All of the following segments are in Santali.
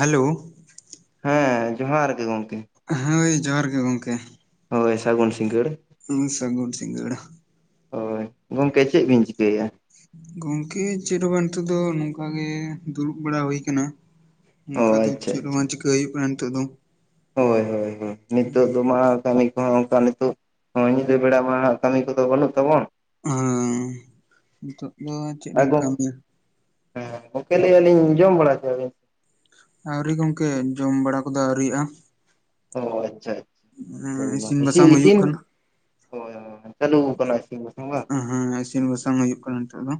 ᱦᱟᱞᱳ ᱦᱮᱸ ᱡᱚᱦᱟᱨ ᱜᱮ ᱜᱚᱝᱠᱮ ᱦᱳᱭ ᱡᱚᱦᱟᱨ ᱜᱮ ᱜᱚᱝᱠᱮ ᱦᱳᱭ ᱥᱟᱜᱩᱱ ᱥᱤᱝᱜᱟᱹᱲ ᱦᱩᱸ ᱥᱟᱜᱩᱱ ᱥᱤᱝᱜᱲᱟ ᱦᱳᱭ ᱜᱚᱝᱠᱮ ᱪᱮ ᱵᱤᱱ ᱪᱤᱠᱟᱹᱭᱮᱜᱼᱟ ᱜᱚᱝᱠᱮ ᱪᱮᱫ ᱦᱚᱸ ᱵᱟᱝ ᱱᱤᱛᱚᱜ ᱫᱚ ᱱᱚᱝᱠᱟᱟᱜ ᱜᱮ ᱫᱩᱲᱩᱵ ᱵᱟᱲᱟ ᱦᱩᱭ ᱟᱠᱟᱱᱟ ᱚ ᱱᱚᱝᱠᱟ ᱫᱚ ᱟᱪᱪᱷᱟ ᱪᱮᱫ ᱦᱚᱸ ᱟᱪᱪᱷᱟ ᱵᱟᱝ ᱪᱤᱠᱟᱹᱦᱩᱭᱩᱜ ᱠᱟᱱᱟ ᱱᱤᱛᱚᱜ ᱫᱚ ᱦᱳᱭ ᱦᱳᱭ ᱦᱳᱭ ᱱᱤᱛᱚᱜ ᱫᱚ ᱢᱟ ᱠᱟᱹᱢᱤ ᱠᱚᱦᱚᱸ ᱚᱱᱠᱟ ᱛᱳ ᱧᱤᱫᱟᱹ ᱵᱮᱲᱟ ᱢᱟ ᱠᱟᱹᱢᱤ ᱠᱚᱫᱚ ᱵᱟᱹᱱᱩᱜ ᱛᱟᱵᱚᱱ ᱦᱟᱸ ᱱᱤᱛᱚᱜ ᱫᱚ ᱪᱮᱫ ᱮᱢ ᱠᱟᱹᱢᱤᱭᱟ ᱦᱩᱸ ᱜᱟᱝᱠᱮ ᱞᱟᱹᱭ ᱞᱤᱧ ᱡᱚᱢ ᱵᱟᱲᱟ ᱠᱮᱜ ᱵᱤᱱ ᱟᱹᱣᱨᱤ ᱜᱚᱝᱠᱮ ᱡᱚᱢ ᱵᱟᱲᱟ ᱠᱚᱫᱚ ᱟᱹᱣᱨᱤᱭᱼᱟ ᱚ ᱟᱪᱪᱷᱟ ᱤᱥᱤᱱ ᱟᱪᱪᱷᱟᱭ ᱤᱥᱤ ᱵᱟᱥᱟᱝ ᱦᱩᱭᱩᱜ ᱤᱥᱤᱱ ᱠᱟᱱᱟ ᱦᱳᱭ ᱦᱳᱭ ᱪᱟᱞᱩ ᱠᱟᱱᱟ ᱤᱥᱤᱱ ᱵᱟᱥᱟᱝ ᱵᱟ ᱦᱮᱸ ᱤᱥᱤᱱ ᱵᱟᱥᱟᱝ ᱦᱩᱭᱩᱜ ᱠᱟᱱᱟ ᱱᱤᱛᱚᱜ ᱫᱚ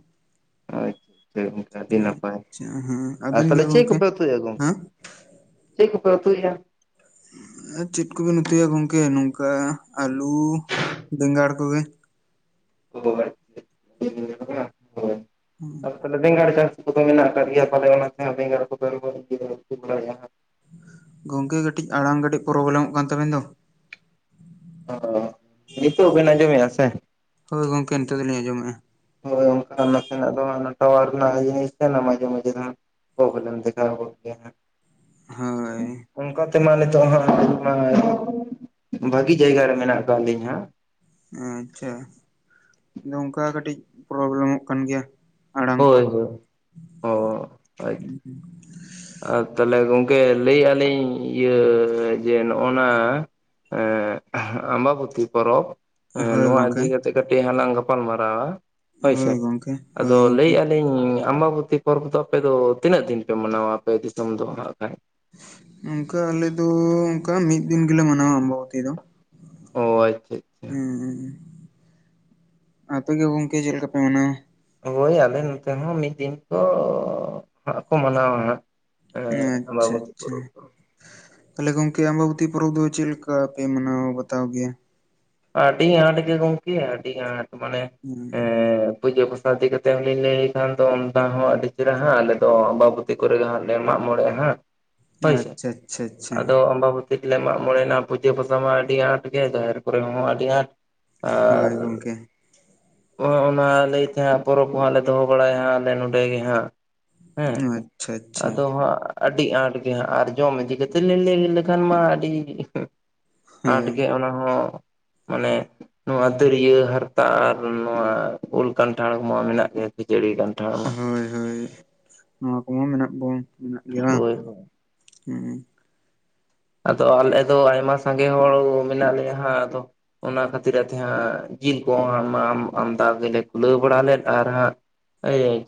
ᱟᱪᱪᱷᱟ ᱜᱚᱝᱠᱮ ᱟᱹᱰᱤ ᱱᱟᱯᱟᱭ ᱟᱪᱪᱷᱟ ᱦᱮᱸ ᱟᱨ ᱟᱵᱤᱱ ᱜᱮ ᱛᱟᱦᱞᱮ ᱪᱮᱫ ᱜᱚᱢᱠᱮ ᱠᱚᱯᱮ ᱩᱛᱩᱭ ᱫᱟ ᱜᱚᱝᱠᱮ ᱦᱮᱸ ᱪᱮᱫ ᱠᱚᱠᱚ ᱩᱛᱩᱭᱟᱜ ᱟᱨ ᱪᱮᱫ ᱠᱚᱵᱤᱱ ᱩᱛᱩᱭᱟ ᱜᱚᱝᱠᱮ ᱱᱚᱝᱠᱟ ᱟᱹᱞᱩ ᱵᱮᱸᱜᱟᱲ ᱠᱚᱜᱮ [unintelligible] ᱵᱮᱸᱜᱟᱲ ᱪᱟᱹᱥᱤ ᱠᱚᱫᱚ ᱢᱮᱱᱟᱜ ᱟᱠᱟᱫ ᱜᱮᱭᱟ ᱯᱟᱞᱮ ᱚᱱᱟᱛᱮᱦᱚᱸ ᱵᱮᱸᱜᱟᱲ ᱠᱚᱫᱚ ᱤᱭᱟᱹ ᱵᱟᱲᱟᱭᱟ ᱜᱚᱝᱠᱮ ᱠᱟᱹᱴᱤᱡ ᱟᱲᱟᱝ ᱠᱟᱹᱴᱤᱡ ᱯᱨᱚᱵᱞᱮᱢᱚᱜ ᱠᱟᱱ ᱛᱟᱵᱮᱱ ᱫᱚ ᱚ ᱱᱤᱛᱟᱜ ᱵᱮᱱ ᱟᱸᱡᱚᱢ ᱢᱮᱜᱟ ᱥᱮ ᱦᱳᱭ ᱜᱚᱝᱠᱮ ᱱᱤᱛᱚᱜ ᱫᱚᱞᱤᱧ ᱟᱸᱚᱢᱮᱜᱼᱟ ᱦᱳᱭ ᱜᱚᱝᱠᱮ ᱚᱱᱛᱮ ᱱᱟᱜ ᱫᱚ ᱴᱟᱣᱟᱨ ᱨᱮᱱᱟᱜ ᱤᱭᱟᱹ ᱦᱮᱡ ᱠᱟᱱᱟ ᱢᱟᱡᱮ ᱢᱟᱡᱮ ᱫᱚ ᱦᱟᱸᱜ ᱯᱚᱵᱽᱮᱞᱮᱢ ᱫᱮᱠᱷᱟᱣ ᱵᱚᱱ ᱜᱮᱭᱟ ᱦᱳᱭ ᱚᱱᱠᱟ ᱛᱮᱢᱟ ᱱᱤᱛᱚᱜ ᱦᱟᱸᱜ ᱤᱧ ᱢᱟ ᱵᱷᱟᱜᱤ ᱡᱟᱭᱜᱟ ᱨᱮ ᱢᱮᱱᱟᱜ ᱠᱟᱜ ᱞᱤᱧᱜᱟ ᱟᱪᱪᱷᱟ ᱚᱱᱠᱟ ᱠᱟᱹᱴᱤᱡ ᱯᱨᱚᱵᱞᱮᱢᱚᱜ ᱠᱟᱱ ᱜᱮᱭᱟ ᱟᱲᱟᱝ ᱠᱚ ᱦᱳᱭ ᱦᱳᱭ ᱚ ᱟᱨ ᱛᱟᱦᱚᱞᱮ ᱜᱚᱝᱠᱮ ᱞᱟᱹᱭ ᱞᱤᱧ ᱤᱭᱟᱹ ᱡᱮ ᱱᱚᱜᱼᱚ ᱱᱟ ᱮ ᱟᱢᱵᱟᱹᱵᱚᱛᱤ ᱯᱚᱨᱚᱵᱽ ᱦᱮᱸ ᱦᱳᱭ ᱱᱚᱣᱟ ᱜᱚᱝᱠᱮ ᱤᱫᱤ ᱠᱟᱛᱮᱜ ᱠᱟᱹᱴᱤᱡ ᱦᱟᱞᱟᱝ ᱜᱟᱯᱟᱞ ᱢᱟᱨᱟᱣᱟ ᱦᱳᱭ ᱥᱮ ᱜᱚᱝᱠᱮ ᱟᱫᱚ ᱦᱳᱭ ᱜᱚᱝᱠᱮ ᱞᱟᱹᱭᱟᱜᱼᱟ ᱞᱤᱧ ᱟᱢᱵᱟᱵᱚᱛᱤ ᱯᱚᱨᱚᱵ ᱫᱚ ᱟᱯᱮ ᱫᱚ ᱛᱤᱱᱟᱹᱜ ᱫᱤᱱ ᱯᱮ ᱢᱟᱱᱟᱣᱟ ᱟᱯᱮ ᱫᱤᱥᱚᱢ ᱫᱚ ᱦᱟᱸᱜ ᱠᱷᱟᱱ? ᱚᱱᱠᱟ ᱟᱞᱮ ᱫᱚ ᱚᱱᱠᱟ ᱢᱤᱫ ᱫᱤᱱ ᱜᱮᱞᱮ ᱢᱟᱱᱟᱣᱟ ᱟᱢᱵᱟᱵᱚᱛᱤ ᱫᱚ ᱾ ᱚ ᱟᱪᱪᱷᱟ ᱟᱪᱪᱷᱟ ᱦᱩᱸ ᱦᱩᱸ ᱟᱯᱮ ᱜᱮ ᱜᱚᱝᱠᱮ ᱪᱮ ᱞᱮᱠᱟ ᱯᱮ ᱢᱟᱱᱟᱣᱟ? ᱦᱳᱭ ᱟᱞᱮ ᱱᱚᱛᱮ ᱦᱚᱸ ᱢᱤᱫ ᱫᱤᱱ ᱠᱚ ᱦᱟᱸᱜ ᱠᱚ ᱢᱟᱱᱟᱣᱟ ᱦᱟᱸᱜ ᱦᱮᱸ ᱟᱪᱪᱷᱟ ᱟᱢᱵᱟᱵᱚᱛᱤ ᱟᱪᱪᱷᱟ ᱯᱚᱨᱚᱵ ᱫᱚ ᱛᱟᱦᱚᱞᱮ ᱜᱚᱝᱠᱮ ᱟᱢᱵᱟᱵᱚᱛᱤ ᱯᱚᱨᱚᱵ ᱫᱚ ᱪᱮᱫ ᱞᱮᱠᱟ ᱯᱮ ᱢᱟᱱᱟᱣ ᱵᱟᱛᱟᱣ ᱜᱮᱭᱟ? ᱟᱹᱰᱤ ᱟᱸᱴ ᱜᱮ ᱜᱚᱝᱠᱮ ᱟᱹᱰᱤ ᱟᱸᱴ ᱢᱟᱱᱮ ᱮᱸᱻ ᱯᱩᱡᱟᱹ ᱯᱟᱥᱟ ᱤᱫᱤ ᱠᱟᱛᱮᱫ ᱦᱚᱸᱞᱤᱧ ᱞᱟᱹᱭ ᱠᱷᱟᱱ ᱫᱚ ᱚᱱᱟ ᱦᱚᱸ ᱟᱹᱰᱤ ᱪᱮᱦᱨᱟ ᱦᱟᱸᱜ ᱟᱞᱮᱫᱚ ᱟᱢᱵᱟᱵᱚᱼᱼ ᱛᱤ ᱠᱚᱨᱮ ᱦᱟᱜ ᱞᱮ ᱢᱟᱜ-ᱢᱚᱬᱮᱜᱼᱟ ᱦᱟᱸᱜ ᱦᱳᱭᱥᱮ ᱟᱪᱪᱷᱟ ᱟᱪᱪᱷᱟ ᱟᱪᱪᱷᱟ ᱟᱫᱚ ᱟᱢᱵᱟᱵᱚ ᱢᱟᱜ-ᱢᱚᱬᱮᱭᱱᱟ ᱯᱩᱡᱟᱹ ᱯᱟᱥᱟ ᱢᱟ ᱟᱹᱰᱤ ᱟᱸᱴ ᱜᱮ ᱡᱟᱦᱮᱨ ᱠᱚᱨᱮ ᱦᱚᱸ ᱟᱹᱰᱤ ᱟᱸᱴ ᱦᱳᱭ ᱟᱨ ᱜᱚᱝᱠᱮ ᱚᱸ ᱚᱱᱟ ᱞᱟᱹᱭᱛᱮ ᱦᱟᱸᱜ ᱯᱚᱨᱚᱵᱽ ᱠᱚ ᱦᱟᱸᱜ ᱞᱮ ᱫᱚᱦᱚ ᱵᱟᱲᱟᱭᱟ ᱦᱟᱸᱜ ᱟᱞᱮ ᱱᱚᱸᱰᱮ ᱜᱮ ᱦᱟᱸᱜ ᱦᱮᱸ ᱟᱪᱪᱷᱟ ᱟᱪᱪᱷᱟ ᱟᱫᱚ ᱦᱟᱜ ᱟᱹᱰᱤ ᱟᱸᱴ ᱜᱮ ᱦᱟᱸᱜ ᱟᱨ ᱡᱚᱢ ᱤᱫᱤ ᱠᱟᱛᱮ ᱞᱤᱧ ᱞᱟᱹᱭ ᱞᱮᱠᱷᱟᱱ ᱢᱟ ᱟᱹᱰᱤ ᱟᱸᱴ ᱦᱳᱭ ᱜᱮ ᱚᱱᱟ ᱦᱚᱸ ᱢᱟᱱᱮ ᱱᱚᱣᱟ ᱫᱟᱹᱨᱭᱟᱹ ᱦᱟᱨᱛᱟ ᱟᱨ ᱱᱚᱣᱟ ᱩᱞ ᱠᱟᱱᱴᱷᱟᱲ ᱢᱟ ᱢᱮᱱᱟᱜ ᱜᱮᱭᱟ ᱠᱷᱤᱡᱟᱹᱲᱤ ᱠᱟᱱ ᱦᱳᱭ ᱦᱳᱭ ᱱᱚᱣᱟ ᱠᱚᱢᱟ ᱢᱮᱱᱟᱜ ᱵᱚᱱ ᱢᱮᱱᱟᱜ ᱜᱮᱭᱟ ᱵᱟᱝ ᱦᱳᱭ ᱦᱳᱭ᱾ ᱦᱩᱸ ᱟᱫᱚ ᱟᱞᱮ ᱫᱚ ᱟᱭᱢᱟ ᱥᱟᱸᱜᱮ ᱦᱚᱲ ᱢᱮᱱᱟᱜ ᱞᱮᱭᱟ ᱦᱟᱸᱜ ᱟᱫᱚ ᱚᱱᱟ ᱠᱷᱟᱹᱛᱤᱨᱟᱜ ᱛᱮ ᱦᱟᱸᱜ ᱡᱤᱞ ᱠᱚ‌ ᱦᱟᱸᱜ ᱢᱟ ᱟᱢᱫᱟ ᱜᱮᱞᱮ ᱠᱩᱞᱟᱹᱣ ᱵᱟᱲᱟ ᱞᱮᱫ ᱟᱨ ᱦᱟᱸᱜ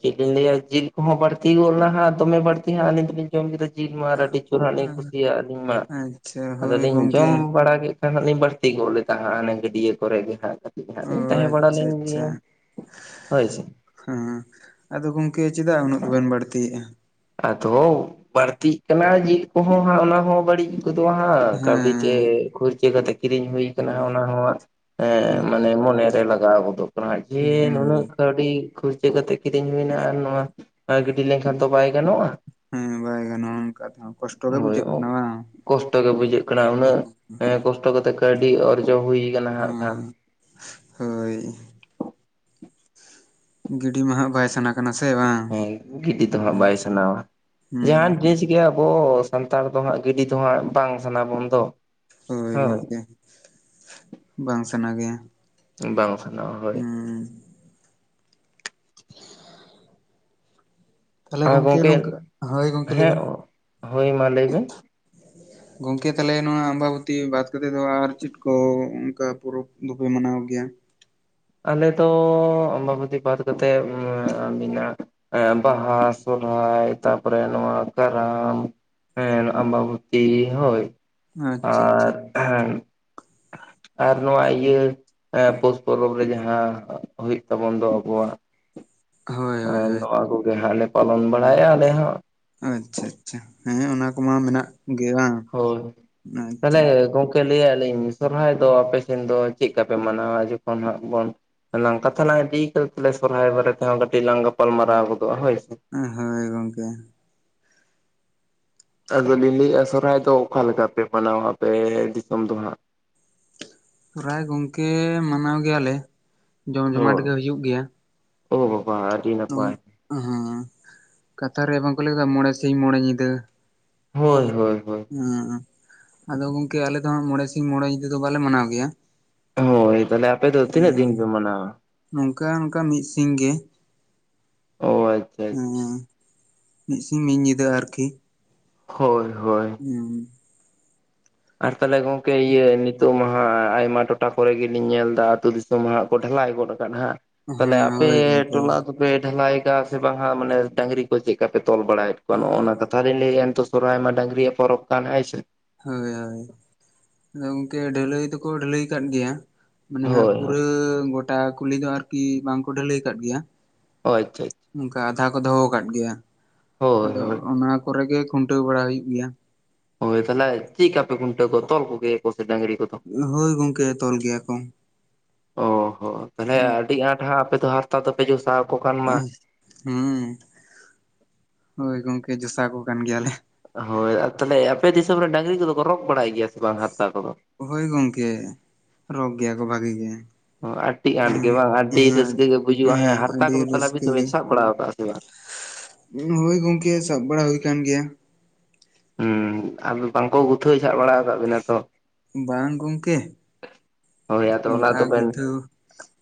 ᱪᱮᱫ ᱤᱧ ᱞᱟᱹᱭᱟ ᱡᱤᱞ ᱠᱚᱦᱚᱸ ᱵᱟᱲᱛᱤ ᱜᱚᱫ ᱞᱮᱱᱟ ᱦᱟᱜ ᱫᱚᱢᱮ ᱵᱟᱲᱛᱤ ᱦᱟᱸᱜ ᱟᱞᱤᱧ ᱫᱚ ᱞᱤᱧ ᱡᱚᱢ ᱜᱮᱫᱚ ᱡᱤᱞ ᱢᱟ ᱟᱨ ᱟᱹᱰᱤ ᱡᱩᱨ ᱦᱟᱸᱜ ᱞᱤᱧ ᱦᱮᱸ ᱠᱩᱥᱤᱭᱟᱜ ᱟᱹᱞᱤᱧ ᱢᱟ ᱟᱪᱪᱷᱟ ᱦᱳᱭ ᱟᱫᱚᱞᱤᱧ ᱜᱚᱝᱠᱮ ᱡᱚᱢ ᱵᱟᱲᱟ ᱠᱮᱫ ᱠᱷᱟᱱ ᱦᱟᱸᱜ ᱞᱤᱧ ᱵᱟᱹᱲᱛᱤ ᱜᱚᱫ ᱞᱮᱫᱟ ᱦᱟᱸᱜ ᱚᱱᱮ ᱜᱟᱹᱰᱭᱟᱹ ᱠᱚᱨᱮᱜ ᱜᱮ ᱚ ᱦᱟᱸᱜ ᱛᱟᱦᱮᱸ ᱵᱟᱲᱟ ᱟᱪᱪᱷᱟ ᱞᱮᱱ ᱟᱪᱪᱷᱟ ᱜᱮᱭᱟ ᱦᱳᱭ ᱥᱮ ᱦᱮᱸ ᱟᱫᱚ ᱜᱚᱝᱠᱮ ᱪᱮᱫᱟᱜ ᱩᱱᱟᱹᱜ ᱫᱚᱵᱮᱱ ᱵᱟᱹᱲᱛᱤᱭᱮᱜᱼᱟ? ᱟᱫᱚ ᱵᱟᱹᱲᱛᱤᱜ ᱠᱟᱱᱟ ᱡᱤᱞ ᱠᱚᱦᱚᱸ ᱦᱟᱸᱜ ᱚᱱᱟ ᱦᱚᱸ ᱵᱟᱹᱲᱤᱡ ᱠᱟᱹᱣᱰᱤ ᱛᱮ ᱦᱮᱸ ᱠᱷᱩᱨᱪᱟᱹ ᱠᱟᱛᱮ ᱠᱤᱨᱤᱧ ᱦᱩᱭ ᱠᱟᱱᱟ ᱚᱱᱟ ᱦᱚᱸ ᱦᱩᱸ ᱢᱟᱱᱮ ᱢᱚᱱᱮᱨᱮ ᱞᱟᱜᱟᱣ ᱜᱚᱫᱚᱜ ᱠᱟᱱᱟ ᱡᱮ ᱦᱩᱸ ᱱᱩᱱᱟᱹᱜ ᱠᱟᱹᱣᱰᱤ ᱠᱷᱩᱨᱪᱟᱹ ᱠᱟᱛᱮ ᱠᱤᱨᱤᱧ ᱦᱩᱭᱱᱟ ᱟᱨ ᱱᱚᱣᱟ ᱜᱤᱰᱤ ᱞᱮᱱᱠᱷᱟᱱ ᱫᱚ ᱵᱟᱭ ᱜᱟᱱᱚᱜᱼᱟ ᱦᱮᱸ ᱵᱟᱭ ᱜᱟᱱᱚᱜᱼᱟ ᱚᱱᱠᱟ ᱛᱮ ᱠᱚᱥᱴᱚ ᱜᱮ ᱦᱳᱭ ᱵᱩᱡᱷᱟᱹᱜ ᱠᱟᱱᱟ ᱵᱟᱝ ᱠᱚᱥᱴᱚ ᱜᱮ ᱵᱩᱡᱷᱟᱹᱜ ᱠᱟᱱᱟ ᱩᱱᱟᱹᱜ ᱮᱸ ᱠᱚᱥᱴᱚ ᱠᱟᱛᱮᱜ ᱠᱟᱹᱣᱰᱤ ᱚᱨᱡᱚ ᱦᱩᱭ ᱠᱟᱱᱟ ᱦᱟᱜ ᱠᱷᱟᱱ ᱦᱮᱸ ᱦᱳᱭ ᱜᱤᱰᱤ ᱢᱟ ᱦᱟᱸᱜ ᱵᱟᱭ ᱥᱟᱱᱟ ᱠᱟᱱᱟ ᱥᱮ ᱵᱟᱝ ᱦᱮᱸ ᱜᱤᱰᱤ ᱫᱚ ᱦᱟᱸᱜ ᱦᱩᱸ ᱵᱟᱭ ᱥᱟᱱᱟᱣᱟ ᱦᱩᱸ ᱡᱟᱦᱟᱱ ᱡᱤᱱᱤᱥ ᱜᱮ ᱟᱵᱚ ᱥᱟᱱᱛᱟᱲ ᱫᱚ ᱦᱟᱸᱜ ᱜᱟᱹᱰᱤ ᱫᱚ ᱦᱟᱸᱜ ᱵᱟᱝ ᱥᱟᱱᱟ ᱵᱚᱱ ᱫᱚ ᱦᱳᱭ ᱜᱚᱢᱠᱮ ᱵᱟᱝ ᱥᱟᱱᱟ ᱜᱮᱭᱟ ᱾ ᱵᱟᱝ ᱥᱟᱱᱟᱣᱟ ᱦᱳᱭ ᱛᱟᱦᱞᱮ ᱜᱚᱝᱠᱮ ᱦᱳᱭ ᱜᱚᱝᱠᱮ ᱞᱟᱹᱭ ᱦᱮᱸ ᱵᱮᱱ ᱦᱳᱭ ᱢᱟ ᱞᱟᱹᱭ ᱵᱮᱱ ᱜᱚᱝᱠᱮ ᱛᱟᱦᱚᱞᱮ ᱱᱚᱣᱟ ᱟᱢᱵᱟᱵᱚᱛᱤ ᱵᱟᱫ ᱠᱟᱛᱮᱫ ᱫᱚ ᱟᱨ ᱪᱮᱫ ᱠᱚ ᱚᱱᱠᱟ ᱯᱚᱨᱚᱵᱽ ᱫᱚᱯᱮ ᱢᱟᱱᱟᱣ ᱜᱮᱭᱟ? ᱟᱞᱮ ᱫᱚ ᱟᱢᱵᱟᱵᱚᱛᱤ ᱵᱟᱫ ᱠᱟᱛᱮᱫ ᱢᱮᱱᱟᱜ ᱮᱸ ᱵᱟᱦᱟ ᱥᱚᱨᱦᱟᱭ ᱛᱟᱨᱯᱚᱨᱮ ᱱᱚᱣᱟ ᱠᱟᱨᱟᱢ ᱦᱮᱸ ᱟᱢᱵᱟᱵᱚᱛᱤ ᱦᱚᱭ ᱟᱪᱪᱷᱟ ᱟᱪᱪᱷᱟ ᱦᱮᱸ ᱟᱨ ᱱᱚᱣᱟ ᱤᱭᱟᱹ ᱯᱳᱥ ᱯᱚᱨᱚᱵᱽ ᱡᱟᱦᱟᱸ ᱦᱳᱭᱳᱜ ᱛᱟᱵᱚᱱ ᱫᱚ ᱟᱵᱚᱣᱟᱜ ᱦᱳᱭ ᱦᱳᱭ ᱮᱸᱫ ᱦᱳᱭ ᱱᱚᱣᱟ ᱠᱚᱜᱮ ᱦᱟᱸᱜ ᱞᱮ ᱯᱟᱞᱚᱱ ᱵᱟᱲᱟᱭᱟ ᱟᱞᱮ ᱦᱟᱸᱜ ᱟᱪᱪᱷᱟ ᱟᱪᱪᱷᱟ ᱦᱮᱸ ᱚᱱᱟ ᱠᱚᱢᱟ ᱢᱮᱱᱟᱜ ᱜᱮ ᱵᱟᱝ ᱦᱳᱭ ᱛᱟᱦᱚᱞᱮ ᱟᱪᱪᱷᱟ ᱜᱚᱢᱠᱮ ᱞᱟᱹᱭᱮᱜ ᱟᱞᱤᱧ ᱥᱚᱨᱦᱟᱭ ᱫᱚ ᱟᱯᱮ ᱥᱮᱱ ᱫᱚ ᱪᱮᱫ ᱠᱟᱯᱮ ᱢᱟᱱᱟᱣᱟ ᱡᱚᱠᱷᱚᱱ ᱦᱟᱸᱜ ᱵᱚᱱ ᱞᱟᱝ ᱠᱟᱛᱷᱟ ᱞᱟᱝ ᱤᱫᱤ ᱠᱟᱫᱟ ᱛᱟᱦᱞᱮ ᱥᱚᱨᱦᱟᱭ ᱵᱟᱨᱮ ᱛᱮᱦᱚᱸ ᱠᱟᱹᱴᱤᱡ ᱞᱟᱝ ᱜᱟᱯᱟᱞᱢ ᱢᱟᱨᱟᱣ ᱜᱚᱫᱚᱜᱼᱟ ᱦᱳᱭ ᱦᱳᱭ ᱜᱚᱝᱠᱮ ᱟᱫᱚᱞᱤᱧ ᱞᱟᱹᱭᱮᱫᱼᱟ ᱥᱚᱨᱦᱟᱭ ᱫᱚ ᱚᱠᱟ ᱞᱮᱠᱟ ᱯᱮ ᱢᱟᱱᱟᱣᱟ ᱟᱯᱮ ᱫᱤᱥᱚᱢ ᱫᱚ ᱦᱟᱸᱜ? ᱥᱚᱨᱦᱟᱭ ᱜᱚᱝᱠᱮ ᱢᱟᱱᱟᱣ ᱜᱮᱭᱟᱞᱮ ᱡᱚᱢ ᱡᱚᱢᱟᱴ ᱜᱮ ᱦᱩᱭᱩᱜ ᱜᱮᱭᱟ ᱚᱦᱚ ᱦᱮᱸ ᱠᱟᱛᱷᱟ ᱨᱮ ᱵᱟᱝᱠᱚ ᱞᱟᱹᱭ ᱠᱮᱫᱟ ᱢᱚᱬᱮ ᱥᱤᱧ ᱢᱚᱬᱮ ᱧᱤᱫᱟᱹ ᱦᱳᱭ ᱦᱳᱭ ᱦᱳᱭ ᱦᱚᱸ ᱟᱫᱚ ᱜᱚᱝᱠᱮ ᱟᱞᱮ ᱫᱚ ᱦᱟᱸᱜ ᱢᱚᱬᱮ ᱥᱤᱧ ᱢᱚᱬᱮ ᱧᱤᱫᱟᱹ ᱫᱚ ᱵᱟᱞᱮ ᱢᱟᱱᱟᱣ ᱜᱮᱭᱟ᱾ ᱦᱳᱭ ᱛᱟᱦᱚᱞᱮ ᱟᱯᱮ ᱫᱚ ᱛᱤᱱᱟᱹᱜ ᱫᱤᱱ ᱯᱮ ᱢᱟᱱᱟᱣᱟ? ᱱᱚᱝᱠᱟ ᱱᱚᱝᱠᱟ ᱢᱤᱫ ᱥᱤᱝ ᱜᱮ᱾ ᱚ ᱟᱪᱪᱷᱟ ᱟᱪᱪᱷᱟ ᱢᱤᱫ ᱥᱤᱧ ᱢᱤᱫ ᱧᱤᱫᱟᱹ ᱟᱨᱠᱤ᱾ ᱦᱳᱭ ᱦᱳᱭ ᱦᱩᱸ ᱟᱨ ᱛᱟᱦᱚᱞᱮ ᱜᱚᱝᱠᱮ ᱤᱭᱟᱹ ᱱᱤᱛᱚᱜ ᱢᱟᱦᱟᱸᱜ ᱟᱭᱢᱟ ᱴᱚᱴᱷᱟ ᱠᱚᱨᱮ ᱜᱮᱞᱤᱧ ᱧᱮᱞ ᱮᱫᱟ ᱟᱹᱛᱩ ᱫᱤᱥᱚᱢ ᱛᱟᱸᱜ ᱢᱟ ᱠᱚ ᱰᱷᱮᱞᱟᱭ ᱜᱚᱫ ᱠᱟᱜ ᱦᱟᱸᱜ ᱛᱟᱦᱚᱞᱮ ᱦᱮᱸ ᱟᱯᱮ ᱦᱳᱭ ᱜᱚᱝᱠᱮ ᱴᱚᱞᱟ ᱫᱚ ᱯᱮ ᱰᱷᱟᱞᱟᱭᱠᱟᱜ-ᱟ ᱥᱮ ᱵᱟᱝᱟ ᱢᱟᱱᱮ ᱰᱟᱝᱨᱤ ᱠᱚ ᱪᱮᱫ ᱞᱮᱠᱟ ᱯᱮ ᱛᱚᱞ ᱵᱟᱲᱟᱭᱮᱫ ᱠᱚᱣᱟ ᱱᱚᱜᱼᱚᱱᱟ ᱠᱟᱛᱷᱟ ᱛᱟᱦᱞᱟᱹᱭ ᱮᱱ ᱛᱚ ᱥᱚᱨᱦᱟᱭ ᱢᱟ ᱰᱟᱝᱨᱤ ᱯᱚᱨᱚᱵᱽ ᱠᱟᱱᱟ ᱦᱚᱭ ᱥᱮ ᱦᱳᱭ ᱦᱳᱭ ᱟᱫᱚ ᱜᱚᱝᱠᱮ ᱰᱷᱟᱹᱞᱟᱹᱭ ᱫᱚᱠᱚ ᱰᱷᱟᱹᱞᱟᱹᱭ ᱟᱠᱟᱫ ᱜᱮᱭᱟ ᱢᱟᱱᱮ ᱦᱟᱸᱜ ᱦᱳᱭ ᱯᱩᱨᱟᱹ ᱜᱚᱴᱟ ᱠᱩᱞᱤ ᱫᱚ ᱟᱨᱠᱤ ᱵᱟᱝᱠᱚ ᱰᱷᱟᱹᱞᱟᱹᱭ ᱟᱠᱟᱫ ᱜᱮᱭᱟ᱾ ᱚ ᱟᱪᱪᱷᱟ ᱚᱱᱠᱟ ᱟᱫᱷᱟ ᱠᱚ ᱫᱚᱦᱚ ᱟᱠᱟᱫ ᱜᱮᱭᱟ ᱦᱳᱭ ᱟᱫᱚ ᱦᱳᱭ ᱚᱱᱟ ᱠᱚᱨᱮ ᱜᱮ ᱠᱷᱩᱱᱴᱟᱹᱣ ᱵᱟᱲᱟ ᱦᱩᱭᱩᱜ ᱜᱮᱭᱟ᱾ ᱦᱳᱭ ᱛᱟᱦᱚᱞᱮ ᱪᱮᱫ ᱟᱯᱮ ᱠᱷᱩᱱᱴᱟᱹ ᱠᱚ ᱛᱚᱞ ᱠᱚᱜᱮᱭᱟ ᱠᱚ ᱰᱟᱝᱨᱤ ᱠᱚᱫᱚ ᱦᱳᱭ ᱜᱚᱝᱠᱮ ᱛᱚᱞ ᱜᱮᱭᱟ ᱠᱚ᱾ ᱚ ᱦᱚᱸ ᱛᱟᱦᱚᱞᱮ ᱦᱩᱸ ᱟᱹᱰᱤ ᱟᱸᱴᱟᱸᱜ ᱟᱯᱮ ᱫᱚ ᱦᱟᱨᱛᱟ ᱫᱚᱯᱮ ᱡᱚᱥᱟᱣ ᱠᱚ ᱠᱟᱱ ᱢᱟ ᱦᱮᱸ ᱦᱳᱭ ᱜᱚᱝᱠᱮ ᱡᱚᱥᱟᱣ ᱟᱠᱚ ᱠᱟᱱ ᱜᱮᱭᱟᱞᱮ᱾ ᱦᱳᱭ ᱟᱨ ᱛᱟᱦᱚᱞᱮ ᱟᱯᱮ ᱫᱤᱥᱚᱢ ᱨᱮ ᱰᱟᱹᱝᱨᱤ ᱠᱚᱫᱚ ᱠᱚ ᱨᱚᱜ ᱵᱟᱲᱟᱭ ᱜᱮᱭᱟ ᱥᱮ ᱵᱟᱝ ᱦᱟᱨᱛᱟ ᱠᱚᱫᱚ? ᱦᱳᱭ ᱜᱚᱢᱠᱮ ᱨᱚᱜᱽ ᱜᱮᱭᱟ ᱠᱚ ᱵᱷᱟᱹᱜᱤ ᱜᱮ᱾ ᱟᱹᱰᱤ ᱟᱸᱴ ᱜᱮ ᱦᱩᱸ ᱵᱟᱝ ᱟᱹᱰᱤ ᱦᱮᱸ ᱨᱟᱹᱥᱠᱟᱹ ᱜᱮ ᱵᱩᱡᱩᱜᱼᱟ ᱦᱮᱸ ᱦᱟᱨᱛᱟ ᱟᱹᱰᱤ ᱠᱚᱫᱚ ᱛᱟᱦᱞᱮ ᱟᱵᱤᱱ ᱨᱟᱹᱥᱠᱟᱹ ᱫᱚᱵᱤᱱ ᱜᱮ ᱥᱟᱵ ᱵᱟᱲᱟ ᱟᱠᱟᱫᱼᱟ ᱥᱮ ᱵᱟᱝ? ᱦᱳᱭ ᱜᱚᱝᱠᱮ ᱥᱟᱵ ᱵᱟᱲᱟ ᱦᱩᱭ ᱠᱟᱱ ᱜᱮᱭᱟ᱾ ᱦᱚᱸ ᱟᱫᱚ ᱵᱟᱝᱠᱚ ᱜᱩᱛᱷᱟᱹᱣ ᱡᱷᱟᱜ ᱵᱟᱲᱟ ᱟᱠᱟᱫ ᱵᱤᱱᱟ ᱛᱚ? ᱵᱟᱝ ᱜᱚᱝᱠᱮ ᱦᱳᱭ ᱟᱫᱚ ᱚᱱᱟ ᱱᱚᱝᱠᱟ ᱫᱚᱵᱮᱱ ᱜᱩᱛᱷᱟᱹᱣ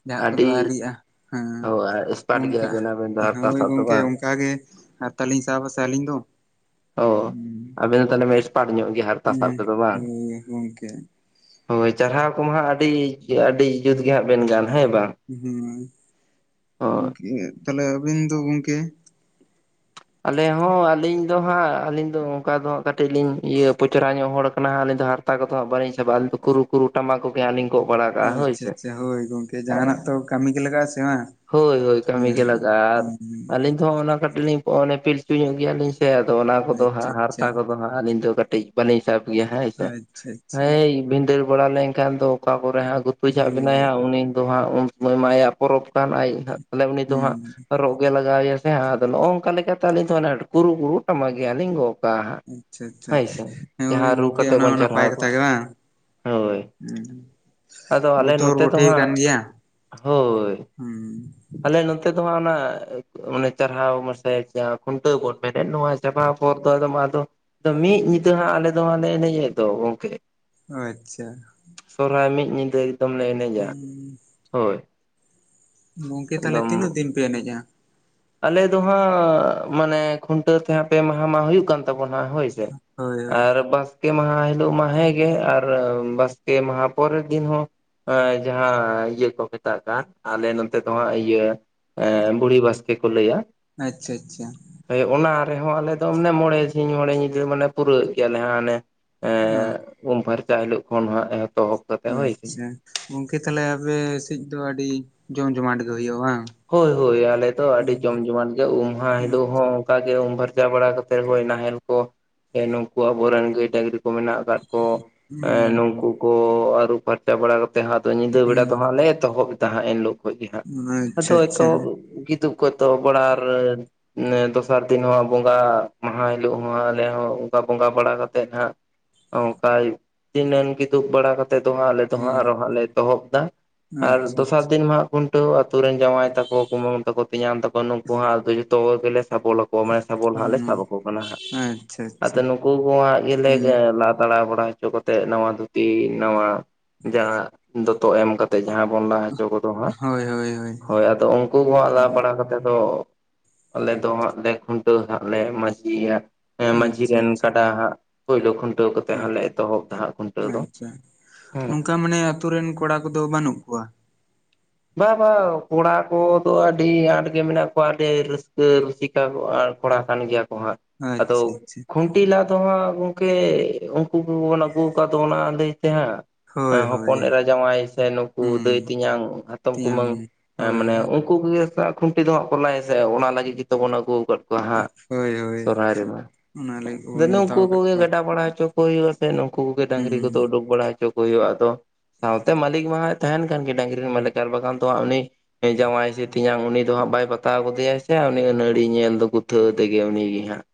ᱡᱟᱦᱟᱸ ᱠᱚᱫᱚ ᱟᱹᱰᱤ ᱟᱣᱨᱤᱜᱼᱟ ᱦᱮᱸ ᱦᱳᱭ ᱮᱥᱯᱟᱴ ᱚᱱᱠᱟ ᱜᱮᱭᱟᱵᱮᱱ ᱟᱵᱮᱱ ᱫᱚ ᱦᱟᱨᱛᱟ ᱦᱳᱭ ᱥᱟᱵ ᱫᱚ ᱜᱚᱝᱠᱮ ᱵᱟᱝ ᱚᱱᱠᱟ ᱜᱮ ᱦᱟᱨᱛᱟ ᱞᱤᱧ ᱥᱟᱵᱽ ᱟᱥᱮ ᱟᱹᱞᱤᱧ ᱫᱚ ᱚ ᱟᱵᱮᱱ ᱫᱚ ᱛᱟᱦᱚᱞᱮ ᱮᱠᱥᱯᱟᱨᱴ ᱧᱚᱜ ᱜᱮᱭᱟ ᱦᱟᱨᱛᱟ ᱥᱟᱵ ᱦᱮᱸ ᱨᱮᱫᱚ ᱵᱟᱝ ᱦᱳᱭ ᱜᱚᱝᱠᱮ ᱦᱳᱭ ᱪᱟᱨᱦᱟᱣ ᱠᱚᱢᱟ ᱦᱟᱸᱜ ᱟᱹᱰᱤ ᱟᱹᱰᱤ ᱡᱩᱛᱜᱮ ᱦᱟᱸᱜ ᱵᱮᱱ ᱜᱟᱱᱟ ᱦᱮᱸ ᱦᱳᱭ ᱜᱚᱝᱠᱮ ᱛᱟᱦᱞᱮ ᱟᱵᱤᱱ ᱫᱚ ᱜᱚᱝᱠᱮ ᱟᱞᱮ ᱦᱚᱸ ᱟᱹᱞᱤᱧ ᱫᱚ ᱦᱟᱸᱜ ᱟᱹᱞᱤᱧ ᱫᱚ ᱚᱱᱠᱟ ᱫᱚ ᱦᱟᱸᱜ ᱠᱟᱹᱴᱤᱡ ᱞᱤᱧ ᱤᱭᱟᱹ ᱯᱚᱪᱚᱨᱟ ᱧᱚᱜ ᱦᱚᱲ ᱠᱟᱱᱟ ᱞᱤᱧ ᱫᱚ ᱦᱟᱸᱜ ᱛᱟ ᱠᱚ ᱫᱚ ᱵᱟᱞᱤᱧ ᱥᱟᱵᱟ ᱠᱩᱨᱩ ᱠᱩᱨᱩ ᱴᱟᱢᱟᱠ ᱠᱚᱜᱮ ᱦᱟᱸᱜ ᱞᱤᱧ ᱜᱚᱜ ᱵᱟᱲᱟᱣᱠᱟᱜ-ᱟ ᱦᱳᱭ ᱟᱪᱪᱷᱟ ᱥᱮ ᱟᱪᱪᱷᱟ ᱦᱳᱭ ᱜᱚᱝᱠᱮ ᱥᱮ ᱡᱟᱦᱟᱱᱟᱜ ᱛᱚ ᱠᱟᱹᱢᱤ ᱜᱮ ᱞᱟᱜᱟᱜᱼᱟ ᱥᱮ ᱵᱟᱝ ᱦᱳᱭ ᱦᱳᱭ ᱠᱟᱹᱢᱤ ᱜᱮ ᱦᱮᱸ ᱞᱟᱜᱟᱜᱼᱟ ᱟᱨ ᱦᱮᱸ ᱟᱹᱞᱤᱧ ᱫᱚ ᱚᱱᱟ ᱠᱟᱹᱴᱤᱡ ᱞᱤᱧ ᱚᱱᱮ ᱯᱤᱞᱪᱩ ᱧᱚᱜ ᱜᱮᱭᱟᱞᱤᱧ ᱥᱮ ᱟᱫᱚ ᱚᱱᱟ ᱠᱚᱫᱚ ᱟᱪᱪᱷᱟ ᱦᱟᱸᱜ ᱟᱪᱪᱷᱟ ᱦᱟᱨᱛᱟ ᱠᱚᱫᱚ ᱦᱟᱸᱜ ᱟᱹᱞᱤᱧ ᱫᱚ ᱠᱟᱹᱴᱤᱡ ᱵᱟᱹᱞᱤᱧ ᱥᱟᱵᱽ ᱜᱮᱭᱟ ᱦᱳᱭ ᱥᱮ ᱟᱪᱪᱷᱟ ᱟᱪᱪᱷᱟ ᱨᱤᱱ ᱵᱷᱤᱱᱫᱟᱹᱲ ᱵᱟᱲᱟ ᱞᱮᱱᱠᱷᱟᱱ ᱫᱚ ᱚᱠᱟ ᱠᱚᱨᱮ ᱦᱟᱸᱜ ᱜᱩ ᱜᱩᱛᱩ ᱡᱷᱟᱜ ᱵᱮᱱᱟᱭᱟ ᱦᱳᱭ ᱦᱟᱸᱜ ᱩᱱᱤ ᱫᱚ ᱦᱟᱸᱜ ᱩᱱ ᱥᱚᱢᱚᱭ ᱢᱟ ᱟᱭᱟᱜ ᱯᱚᱨᱚᱵᱽ ᱠᱟᱱ ᱟᱡ ᱩᱱᱤ ᱫᱚ ᱦᱩᱸ ᱦᱟᱸᱜ ᱨᱚᱜ ᱜᱮ ᱞᱟᱜᱟᱣ ᱮᱭᱟ ᱦᱮᱸ ᱟᱫᱚ ᱱᱚᱜᱼᱚ ᱱᱚᱝᱠᱟ ᱞᱮᱠᱟᱛᱮ ᱟᱹᱞᱤᱧ ᱫᱚ ᱠᱩᱨᱩ ᱠᱩᱨᱩ ᱴᱟᱢᱟᱠ ᱜᱮ ᱦᱟᱸᱜ ᱞᱤᱧ ᱜᱚᱜᱽ ᱟᱪᱪᱷᱟ ᱟᱪᱪᱷᱟ ᱦᱳᱭ ᱡᱟᱦᱟᱸ ᱨᱩ ᱜᱚᱝᱠᱮ ᱠᱟᱛᱮ ᱚᱱᱟ ᱵᱚᱱ ᱦᱚᱸ ᱱᱟᱯᱟᱭ ᱪᱟᱨᱦᱟᱣ ᱠᱟᱛᱷᱟ ᱠᱚᱣᱟ ᱜᱮ ᱵᱟᱝ ᱦᱳᱭ ᱦᱩᱸ ᱟᱫᱚ ᱟᱞᱮ ᱱᱚᱛᱮ ᱫᱚ ᱦᱟᱸᱜ, ᱦᱳᱭ ᱦᱩᱸ ᱛᱮ ᱫᱚᱣᱟ ᱚᱱᱟ ᱚᱱᱮ ᱪᱟᱨᱦᱟᱣ ᱢᱟᱥᱮ ᱡᱟᱦᱟᱸ ᱠᱷᱩᱱᱴᱟᱹᱣ ᱵᱚᱱ ᱢᱮᱱᱮᱫ ᱱᱚᱣᱟ ᱪᱟᱨᱦᱟᱣ ᱯᱚᱨ ᱫᱚ ᱟᱫᱚ ᱢᱟ ᱟᱫᱚ ᱟᱫᱚ ᱢᱤᱫ ᱧᱤᱫᱟᱹ ᱦᱟᱸᱜ ᱟᱞᱮ ᱫᱚ ᱦᱟᱸᱜᱞᱮ ᱮᱱᱮᱡᱮᱫ ᱫᱚ ᱜᱚᱝᱠᱮ ᱟᱪᱪᱷᱟ ᱥᱚᱨᱦᱟᱭ ᱢᱤᱫ ᱧᱤᱫᱟᱹ ᱮᱠᱫᱚᱢ ᱞᱮ ᱮᱱᱮᱡ -ᱟ, ᱦᱩᱸ ᱦᱳᱭ ᱜᱚᱝᱠᱮ ᱛᱟᱦᱚᱞᱮ ᱮᱠᱫᱚᱢ ᱛᱤᱱᱟᱹᱜ ᱫᱤᱱ ᱯᱮ ᱮᱱᱮᱡᱼᱟ? ᱟᱞᱮ ᱫᱚ ᱦᱟᱸᱜ ᱢᱟᱱᱮ ᱠᱷᱩᱱᱴᱟᱹᱣ ᱛᱮ ᱦᱟᱸᱜ ᱯᱮ ᱢᱟᱦᱟ ᱢᱟ ᱦᱩᱭᱩᱜ ᱠᱟᱱ ᱛᱟᱵᱚᱱᱟ ᱦᱳᱭ ᱦᱳᱭ ᱦᱳᱭ ᱟᱨ ᱵᱟᱝ ᱵᱟᱥᱠᱮ ᱢᱟᱦᱟ ᱦᱤᱞᱳᱜ ᱢᱟ ᱦᱮᱸ ᱜᱮ ᱟᱨ ᱵᱟᱥᱠᱮ ᱢᱟᱦᱟ ᱯᱚᱨᱮᱨ ᱫᱤᱱ ᱦᱚᱸ ᱡᱟᱦᱟᱸ ᱤᱭᱟᱹ ᱠᱚ ᱢᱮᱛᱟᱜ ᱠᱟᱱ ᱟᱞᱮ ᱱᱚᱛᱮ ᱫᱚ ᱦᱟᱸᱜ ᱤᱭᱟᱹ ᱵᱩᱲᱦᱤ ᱵᱟᱥ ᱠᱮ ᱠᱚ ᱞᱮᱭ-ᱟ ᱟᱪᱪᱷᱟ ᱟᱪᱪᱷᱟ ᱦᱳᱭ ᱚᱱᱟ ᱨᱮᱸᱦᱚᱸ ᱟᱞᱮ ᱫᱚ ᱟᱱᱮ ᱢᱚᱬᱮ ᱥᱤᱧ ᱢᱚᱬᱮ ᱧᱤᱫᱟᱹ ᱢᱟᱱᱮ ᱯᱩᱨᱟᱹᱣ ᱮᱜ ᱜᱮᱭᱟᱞᱮ ᱦᱟᱱᱮ ᱦᱟᱸ ᱮᱸ ᱩᱢ ᱯᱷᱟᱨᱪᱟ ᱦᱤᱞᱳᱜ ᱠᱷᱚᱱ ᱦᱟᱸᱜ ᱮᱦ ᱚ ᱟᱪᱪᱷᱟ ᱜᱚᱝᱠᱮ ᱛᱟᱦᱞᱮ ᱟᱯᱮ ᱥᱮᱫ ᱫᱚ ᱟᱹᱰᱤ ᱡᱚᱢ ᱡᱚᱢᱟᱴ ᱜᱮ ᱦᱩᱭᱩᱜᱼᱟ ᱵᱟᱝ? ᱦᱳᱭ ᱦᱳᱭ ᱟᱞᱮᱫᱚ ᱟᱹᱰᱤ ᱡᱚᱢ ᱡᱚᱢᱟᱴ ᱜᱮ ᱩᱢ ᱢᱟᱦᱟ ᱦᱤᱞᱳᱜ ᱦᱚᱸ ᱠᱟ ᱜᱮ ᱩᱢ ᱯᱷᱟᱨᱪᱟ ᱵᱟᱲᱟ ᱠᱟᱛᱮ ᱦᱚᱭ ᱱᱟᱦᱮᱞ ᱠᱚ ᱥᱮ ᱱᱩᱠᱩ ᱟᱵᱚᱨᱮᱱ ᱜᱟᱹᱭ ᱰᱟᱝᱨᱤ ᱠᱚ ᱢᱮᱱᱟᱜ ᱠᱟᱜ ᱠᱚ ᱱᱩᱠᱩ ᱠᱚ ᱟᱹᱨᱩ ᱯᱷᱟᱨᱪᱟ ᱵᱟᱲᱟ ᱠᱟᱛᱮ ᱛᱮᱦᱟ ᱫᱚ ᱧᱤᱫᱟᱹ ᱵᱮᱲᱟ ᱫᱚ ᱦᱟᱸᱜ ᱦᱩᱸ ᱞᱮ ᱮᱚᱦᱚᱵ ᱫᱟ ᱦᱟᱸᱜ ᱮᱱᱦᱤᱞᱳᱜ ᱠᱷᱚᱡ ᱜᱮ ᱦᱟᱸᱜ ᱟᱫᱚ ᱟᱪᱪᱷᱟ ᱦᱚᱭᱛᱚ ᱟᱪᱪᱷᱟ ᱜᱤᱫᱩᱜ ᱠᱚᱛᱚ ᱵᱲᱟᱲ ᱫᱚᱥᱟᱨ ᱫᱤᱱ ᱦᱚᱸ ᱵᱚᱸᱜᱟ ᱢᱟᱦᱟ ᱦᱤᱞᱳᱜ ᱦᱚᱸ ᱟᱞᱮ ᱦᱚᱸ ᱚᱱᱠᱟ ᱵᱚᱸᱜᱟ ᱵᱟᱲᱟ ᱠᱟᱛᱮᱜ ᱦᱟᱸᱜ ᱚ ᱠᱟᱭ ᱛᱤᱱᱟᱹᱱ ᱠᱤᱫᱩᱵ ᱵᱟᱲᱟ ᱠᱟᱛ ᱛᱮ ᱫᱚ ᱦᱜ ᱟᱞᱮ ᱫᱚᱦᱟᱸᱜ ᱦᱮᱸ ᱟᱨᱚ ᱦᱟᱸᱜ ᱞᱮ ᱮᱚᱦᱚᱵ ᱫᱟ ᱟᱨ ᱟᱪᱪᱷᱟ ᱫᱚᱥᱟᱨ ᱟᱪᱪᱷᱟ ᱫᱤᱱ ᱦᱟᱸᱜ ᱠᱷᱩᱱᱴᱟᱹᱣ ᱟᱛᱩᱨ ᱨᱮᱱ ᱡᱟᱶᱟᱭ ᱛᱟᱠᱚ ᱠᱩᱢᱩ ᱛᱟᱠᱚ ᱯᱮᱧᱟᱢ ᱛᱟᱠᱚ ᱱᱩᱠᱩ ᱦᱚᱸ ᱟᱫᱚ ᱡᱚᱛᱚ ᱜᱮᱞᱮ ᱥᱟᱯᱚᱞ ᱟᱠᱚ ᱜᱢᱟ ᱥᱟᱵᱚᱞ ᱦᱟᱸᱜ ᱞᱮ ᱦᱮᱸ ᱥᱟᱵᱟ ᱟᱠᱚ ᱠᱟᱱᱟ ᱦᱟᱸᱜ ᱟᱪᱪᱷᱟ ᱟᱫᱚ ᱟᱪᱪᱷᱟ ᱱᱩᱠᱩ ᱠᱚ ᱦᱟᱜ ᱜᱮᱞᱮ ᱦᱩᱸ ᱞᱟ ᱛᱟᱲᱟ ᱵᱟᱲᱟ ᱦᱚᱪᱚ ᱠᱟᱛᱮ ᱱᱟᱣᱟ ᱫᱷᱩᱛᱤ ᱱᱟᱣᱟ ᱡᱟᱦᱟᱸ ᱫᱚᱛᱚ ᱮᱢ ᱠᱟᱛᱮᱜ ᱡᱟᱦᱟᱸ ᱵᱚᱱ ᱞᱟ ᱦᱚᱪᱚ ᱠᱚᱫᱚ ᱦᱟᱸᱜ ᱦᱳᱭ ᱦᱳᱭ ᱦᱳᱭ ᱟᱫᱚ ᱩᱱᱠᱩ ᱠᱚ ᱦᱟᱸᱜ ᱞᱟ ᱯᱟᱲᱦᱟᱣ ᱠᱟᱛᱮᱫ ᱫᱚ ᱟᱞᱮ ᱫᱚ ᱦᱟᱸᱜ ᱞᱮ ᱠᱷᱩᱱᱴᱟᱹᱣ ᱦᱟᱸᱜ ᱞᱮ ᱢᱟᱺᱡᱷᱤ ᱭᱟᱜ ᱢᱟᱺᱡᱷᱤ ᱟᱪᱪᱷᱟ ᱨᱮᱱ ᱟᱪᱪᱷᱟ ᱠᱟᱰᱟ ᱦᱟᱜ ᱯᱩᱭᱭᱞᱳ ᱠᱷᱩᱱᱴᱟᱹᱣ ᱠᱟᱛᱮ ᱦᱟᱸᱜ ᱞᱮ ᱮᱛᱚᱦᱚᱵ ᱫᱟ ᱦᱟᱸᱜ ᱠᱷᱩᱱᱴᱟᱹᱣ ᱫᱚ, ᱦᱩᱸ ᱟᱛᱩᱨ ᱨᱮᱱ ᱠᱚᱲᱟ ᱠᱚᱫᱚ ᱵᱟᱹᱱᱩᱜ ᱠᱚᱣᱟ ᱵᱟ ᱵᱟ ᱠᱚᱲᱟ ᱠᱚᱫᱚ ᱟᱹᱰᱤ ᱟᱸᱴ ᱜᱮ ᱢᱮᱱᱟᱜ ᱠᱚᱣᱟ ᱟᱹᱰᱤ ᱨᱟᱹᱥᱠᱟᱹ ᱨᱩᱥᱤ ᱠᱚᱲᱟ ᱠᱟᱱ ᱜᱮᱭᱟ ᱠᱚ ᱦᱟᱸᱜ ᱟᱫᱚ ᱟᱪᱪᱷᱟ ᱟᱪᱪᱷᱟ ᱠᱷᱩ ᱴᱤ ᱞᱟ ᱫᱚ ᱦᱟᱸᱜ ᱜᱚᱝᱠᱮ ᱩᱱᱠᱩᱵᱚᱱ ᱟᱹᱜᱩ ᱠᱟᱜ ᱫᱚ ᱚᱱᱟ ᱟᱹᱫᱟᱹᱭ ᱛᱮ ᱦᱟᱸᱜ ᱦᱳᱭ ᱦᱳᱭ ᱦᱚᱯᱚᱱ ᱮᱨᱟ ᱡᱟᱶᱟᱭ ᱥᱮ ᱱᱩᱠᱩ ᱦᱩᱸ ᱫᱟᱹᱭ ᱛᱮᱧᱟᱝ ᱦᱟᱛᱚᱢᱼ ᱛᱮᱭᱟᱝ ᱠᱩᱢᱟᱹᱝ ᱦᱳᱭ ᱢᱟᱱ ᱦᱳᱭ ᱩᱱᱠᱩ ᱠᱚᱜᱮ ᱦᱟᱜ ᱠᱷᱩᱱᱴᱤ ᱫᱚ ᱦᱟᱸᱜ ᱠᱚ ᱞᱟᱭ-ᱟ ᱥᱮ ᱚᱱᱟ ᱞᱟᱹᱜᱤᱫ ᱜᱮᱚᱛᱚᱵ ᱵᱚᱱ ᱟᱹᱩ ᱠᱟᱫ ᱠᱚᱣᱟ ᱠᱚᱣᱟ ᱦᱟᱸᱜ ᱦᱳᱭ ᱦᱳᱭ ᱥᱚᱨᱦᱟᱭ ᱨᱮᱢᱟ ᱚᱱᱟ ᱞᱟᱹᱜᱤᱫ ᱟᱫᱚ ᱵᱚᱱ ᱱᱮᱣᱛᱟ ᱱᱩᱠᱩ ᱟᱠᱟᱫ ᱠᱚᱜᱮ ᱠᱚᱣᱟ ᱜᱟᱰᱟ ᱵᱟᱲᱟ ᱦᱚᱪᱚ ᱠᱚ ᱦᱩᱭᱩᱜᱼᱟ ᱥᱮ ᱱᱩᱠᱩ ᱠᱚᱜᱮ ᱰᱟᱝᱨᱤ ᱦᱩᱸ ᱠᱚᱫᱚ ᱩᱰᱩᱠ ᱵᱟᱲᱟ ᱪᱚ ᱠᱚ ᱦᱩᱭᱩᱜᱼᱟ ᱛᱚ ᱥᱟᱶᱛᱮ ᱢᱟᱹᱞᱤᱠ ᱢᱟ ᱦᱟᱭ ᱛᱟᱦᱮᱱ ᱠᱟᱱ ᱜᱮ ᱰᱟᱝᱨᱤ ᱨᱮᱱ ᱢᱟᱹᱤᱠ ᱟᱨ ᱵᱟᱠᱷᱟᱱ ᱫᱚ ᱦᱟᱸᱜ ᱩᱱᱤ ᱦᱮᱸ ᱡᱶᱟᱭ ᱥᱮ ᱛᱮᱧᱟᱝ ᱩᱱᱤ ᱫᱚ ᱦᱟᱸᱜ ᱵᱟᱭ ᱵᱟᱛᱟᱣ ᱜᱚᱫᱮᱭᱟ ᱥᱮ ᱩᱱᱤ ᱟᱹᱱᱟᱹᱲᱤ ᱧᱮᱞ ᱫᱚ ᱜᱩᱛᱷᱟᱹᱣ ᱟᱫᱤ‌ ᱜᱤ ᱩᱱᱤᱜᱮ ᱦᱟᱸᱜ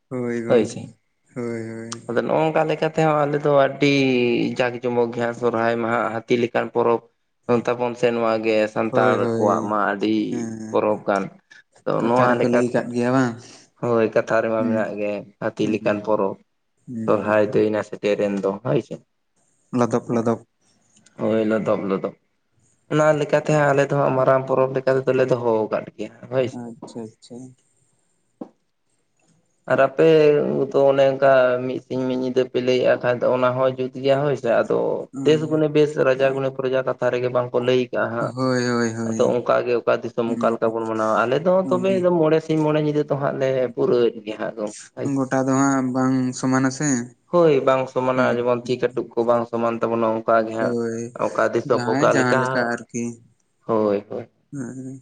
ᱦᱳᱭ ᱥᱮ ᱦᱳᱭ ᱦᱳᱭ ᱟᱫᱚ ᱱᱚᱜ ᱱᱚᱝᱠᱟ ᱞᱮᱠᱟᱛᱮ ᱛᱮᱦᱚᱸ ᱟᱞᱮ ᱫᱚ ᱟᱹᱰᱤ ᱡᱟᱸᱠ ᱡᱚᱢᱚᱠ ᱜᱮᱭᱟ ᱥᱚᱨᱦᱟᱭ ᱢᱟᱦᱟ ᱦᱟᱹᱛᱤ ᱞᱮᱠᱟᱱ ᱯᱚᱨᱚᱵᱽ ᱛᱚᱞ ᱛᱟᱵᱚᱱᱟ ᱥᱮ ᱱᱚᱣᱟ ᱜᱮ ᱦᱳᱭ ᱥᱟᱱᱛᱟᱲ ᱦᱳᱭ ᱠᱚᱣᱟᱜ ᱢᱟ ᱟᱹᱰᱤ ᱦᱮᱸ ᱯᱚᱨᱚᱵᱽ ᱠᱟᱱ ᱟᱫᱚ ᱱᱚᱣᱟ ᱞᱮᱠᱟᱛᱮ ᱠᱟᱜ ᱜᱮᱭᱟ ᱵᱟᱝ ᱦᱳᱭ ᱠᱟᱛᱷᱟ ᱨᱮᱢᱟ ᱦᱩᱸ ᱢᱮᱱᱟᱜ ᱜᱮ ᱦᱟᱹᱛᱤ ᱦᱩᱸ ᱞᱮᱠᱟᱱ ᱯᱚᱨᱚᱵᱽ ᱦᱩᱸ ᱥᱚᱨᱦᱟᱭ ᱫᱟᱹᱭᱱᱟ ᱥᱮᱴ ᱴᱮᱨᱮᱱ ᱫᱚ ᱦᱟᱭ ᱥᱮ ᱞᱚᱫᱚᱯ ᱞᱚᱫᱚᱯ ᱳᱭ ᱞᱚᱫᱚᱯ ᱞᱚᱫᱚᱵ ᱚᱱᱟ ᱞᱟᱹᱜ ᱠᱟᱛᱮ ᱟᱞᱮ ᱫᱚ ᱦᱟᱸᱜ ᱢᱟᱨᱟᱝ ᱯᱚᱨᱚᱵᱽ ᱞᱮᱠᱟ ᱛᱮᱫᱚᱞᱮ ᱫᱚᱦᱚ ᱟᱠᱟᱫ ᱜᱮᱭᱟ ᱦᱳᱭ ᱥᱮ ᱟᱪᱪᱷᱟ ᱟᱪᱪᱷᱟ ᱟᱨ ᱟᱯᱮ ᱫᱚ ᱚᱱᱮ ᱚᱱᱠᱟ ᱢᱤᱫ ᱥᱤᱧ ᱢᱤᱫ ᱧᱤᱫᱟᱹ ᱯᱮ ᱞᱟᱹᱭᱮᱫᱼᱟ ᱠᱷᱟᱡ ᱫᱚ ᱚᱱᱟ ᱦᱚᱸ ᱡᱩᱛ ᱜᱮᱭᱟ ᱦᱳᱭ ᱟᱫᱚ ᱫᱮᱥ ᱦᱩᱸ ᱜᱩᱱᱮ ᱵᱮᱥ ᱨᱟᱡᱟ ᱜᱩᱱᱮ ᱯᱨᱚᱡᱟ ᱠᱟᱛᱷᱟ ᱨᱮᱜᱮ ᱵᱟᱝᱠᱚ ᱞᱟᱹᱭ ᱪᱟ ᱦᱟᱸᱜ ᱦᱳᱭ ᱦᱳᱭ ᱦᱳᱭ ᱟᱫᱚ ᱚᱱᱠᱟ ᱜᱮ ᱚᱠᱟ ᱫᱤᱥᱚᱢ ᱚᱠᱟ ᱦᱩᱸ ᱞᱮᱠᱟ ᱵᱚᱱ ᱢᱟᱱᱟᱣᱟ ᱟᱞᱮ ᱫᱚ ᱛᱚᱵᱮ ᱢᱚᱬᱮ ᱥᱤᱧ ᱢᱚᱬᱮ ᱧᱤᱫᱟᱹ ᱫᱚ ᱦᱟᱸᱜ ᱞᱮ ᱯᱩᱨᱟᱹᱭᱮᱫ ᱦᱟᱜ ᱫᱚ ᱦᱚᱭ ᱜᱚᱴᱟ ᱫᱚ ᱦᱟᱸᱜ ᱵᱟᱝ ᱥᱚᱢᱟᱱᱟ ᱥᱮ ᱦᱳᱭ ᱵᱟᱝ ᱦᱩᱸ ᱥᱚᱢᱟᱱᱟ ᱡᱮᱢᱚᱱ ᱛᱤ ᱠᱟᱹᱴᱩᱵ ᱠᱚ ᱵᱟᱝ ᱥᱚᱢᱟᱱ ᱛᱟᱵᱚᱱᱟ ᱚᱱᱠᱟᱜᱮ ᱦᱟᱸᱜ ᱦᱳᱭ ᱚᱠᱟ ᱫᱤᱥᱚᱢ ᱡᱟᱦᱟᱸᱭ ᱚᱠᱟ ᱡᱟᱦᱟᱸ ᱞᱮᱠᱟ ᱦᱳᱭ ᱦᱳᱭ ᱦᱮᱸ ᱦᱮᱸ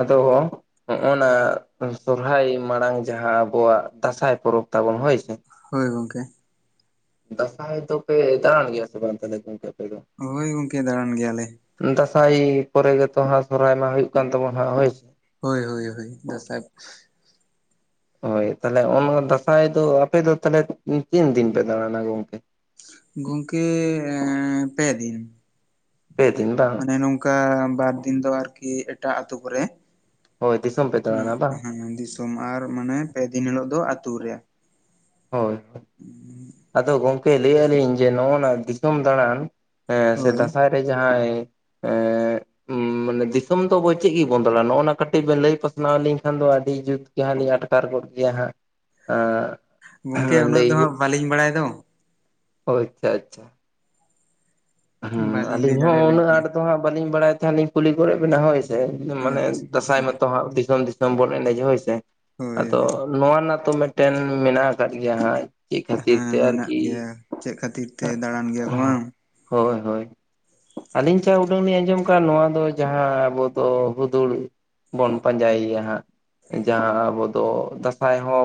ᱟᱫᱚ ᱦᱚᱸᱜ ᱱᱟ ᱥᱚᱨᱦᱟᱭ ᱢᱟᱲᱟᱝ ᱡᱟᱦᱟᱸ ᱟᱵᱚᱣᱟᱜ ᱫᱟᱸᱥᱟᱭ ᱯᱚᱨᱚᱵᱽ ᱛᱟᱵᱚᱱ ᱦᱳᱭ ᱥᱮ ᱦᱳᱭ ᱜᱚᱝᱠᱮ ᱫᱟᱸᱥᱟᱭ ᱫᱚᱯᱮ ᱫᱟᱬᱟᱱ ᱜᱮᱭᱟ ᱥᱮ ᱵᱟᱝ ᱛᱟᱦᱞᱮ ᱜᱚᱝᱠᱮ ᱟᱯᱮ ᱫᱚ ᱦᱳᱭ ᱜᱚᱝᱠᱮ ᱫᱟᱬᱟᱱ ᱜᱮᱭᱟᱞᱮ ᱫᱟᱸᱥᱟᱭ ᱯᱚᱨᱮ ᱜᱮᱛᱚ ᱦᱟᱸᱜ ᱥᱚᱦᱨᱟᱭ ᱢᱟ ᱦᱩᱭᱩᱜ ᱠᱟᱱ ᱛᱟᱵᱚᱱᱟ ᱦᱟᱸᱜ ᱦᱳᱭᱥᱮ ᱦᱳᱭ ᱦᱳᱭ ᱦᱳᱭ ᱫᱟᱸᱥᱟᱭ ᱦᱳᱭ ᱛᱟᱦᱚᱞᱮ ᱚᱱᱟ ᱫᱟᱸᱥᱟᱭ ᱫᱚ ᱟᱯᱮ ᱫᱚ ᱛᱟᱦᱚᱞᱮ ᱛᱤᱱ ᱫᱤᱱ ᱯᱮ ᱫᱟᱬᱟᱱᱟ ᱜᱚᱝᱠᱮ ᱜᱚᱝᱠᱮ ᱯᱮ ᱫᱤᱱ ᱯᱮ ᱫᱤᱱ ᱵᱟᱝ ᱢᱟᱱᱮ ᱱᱚᱝᱠᱟ ᱵᱟᱨ ᱫᱤᱱ ᱫᱚ ᱟᱨᱠᱤ ᱮᱴᱟᱜ ᱟᱛᱳ ᱠᱚᱨᱮ ᱦᱳᱭ ᱫᱤᱥᱚᱢ ᱯᱮ ᱫᱟᱲᱟᱱᱟ ᱵᱟᱝ ᱥᱳᱢ ᱟᱨ ᱢᱟᱱᱮ ᱯᱮ ᱫᱤᱱ ᱦᱤᱞᱳᱜ ᱫᱚ ᱟᱛᱩ ᱨᱮ ᱦᱳᱭ ᱩ ᱟᱫᱚ ᱜᱚᱝᱠᱮ ᱞᱟᱹᱭᱮᱜ ᱞᱤᱧ ᱡᱮ ᱱᱚᱜᱼ ᱱᱟ ᱫᱤᱥᱚᱢ ᱫᱟᱬᱟᱱ ᱥᱮ ᱦᱳᱭ ᱫᱟᱸᱥᱟᱭ ᱨᱮ ᱡᱟᱦᱟᱸᱭ ᱮᱜ ᱩᱸᱢ ᱢᱟᱱᱮ ᱫᱤᱥᱚᱢ ᱫᱚ ᱟᱵᱚ ᱪᱮᱫ ᱜᱮ ᱵᱚᱱ ᱫᱟᱲᱟᱱᱟ ᱱᱚᱜᱼᱱᱟ ᱠᱟᱹᱴᱤᱡ ᱵᱮᱱ ᱞᱟᱹᱭ ᱯᱟᱥᱱᱟᱣ ᱞᱤᱧ ᱠᱷᱟᱱ ᱫᱚ ᱟᱹᱰᱤ ᱡᱩᱛ ᱡᱟᱦᱟᱸ ᱜᱮ ᱟᱴᱠᱟᱨ ᱠᱚᱜ ᱜᱮᱭᱟ ᱦᱟᱸᱜ ᱟᱨ ᱜᱚᱝᱠᱮ ᱩᱱᱟᱹᱜ ᱫᱚ ᱦᱟᱸᱜ ᱵᱟᱹᱞᱤᱧ ᱵᱟᱲᱟᱭ ᱫᱚ ᱚ ᱟᱪᱪᱷᱟ ᱟᱪᱪᱷᱟ ᱦᱩᱸ ᱵᱟᱹᱞᱤᱧ ᱞᱟᱹᱭ ᱟᱞᱤᱧ ᱦᱚᱸ ᱫᱟᱲᱮᱭᱟᱵᱮᱱ ᱩᱱᱟᱹᱜ ᱠᱟᱱᱟ ᱟᱸᱴᱷ ᱫᱚ ᱦᱟᱸᱜ ᱵᱟᱹᱞᱤᱧ ᱵᱟᱲᱟᱭ ᱛᱟᱦᱮᱸ ᱞᱤᱧ ᱠᱩᱞᱤ ᱠᱚᱨᱮᱫ ᱵᱮᱱᱟ ᱦᱳᱭ ᱢᱟᱱᱮ ᱟᱪᱪᱷᱟ ᱫᱟᱸᱥᱟᱭ ᱟᱪᱪᱷᱟ ᱢᱟᱛᱚ ᱦᱟᱸᱜ ᱫᱤᱥᱚᱢ ᱫᱤᱥᱚᱢ ᱵᱚᱱ ᱮᱱᱮᱡᱟ ᱦᱳᱭᱥᱮ ᱦᱳᱭ ᱟᱫᱚ ᱦᱳᱭ ᱱᱚᱣᱟ ᱨᱮᱱᱟᱜ ᱛᱚ ᱢᱮᱴᱴᱮᱱ ᱢᱮᱱᱟᱜ ᱟᱠᱟᱫ ᱜᱮᱭᱟ ᱦᱟᱸᱜ ᱪᱤᱫ ᱠᱷᱟᱹᱛᱤᱨ ᱦᱮᱸ ᱛᱮ ᱢᱮᱱᱟᱜ ᱟᱨᱠᱤ ᱜᱮᱭᱟ ᱪᱮᱫ ᱠᱷᱟᱹᱛᱤᱨ ᱛᱮ ᱫᱟᱬᱟᱱ ᱜᱮᱭᱟ ᱠᱚ ᱵᱟᱝ ᱦᱳᱭ ᱦᱳᱭ ᱟᱹᱞᱤᱧ ᱡᱟ ᱩᱰᱟᱹᱝ ᱞᱤᱧ ᱟᱸᱡᱚᱢ ᱟᱠᱟᱫ ᱱᱚᱣᱟ ᱫᱚ ᱡᱟᱦᱟᱸ ᱟᱵᱚ ᱫᱚ ᱦᱩᱫᱩᱲ ᱵᱚᱱ ᱯᱟᱸᱡᱟᱭᱮᱭᱟ ᱦᱟᱸᱜ ᱡᱟᱦᱟᱸ ᱟᱵᱚ ᱫᱚ ᱫᱟᱸᱥᱟᱭ ᱦᱚᱸ